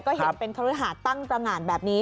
ก็เห็นเป็นเครื่องหาดตั้งประหลานแบบนี้